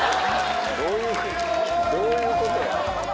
どういうことや？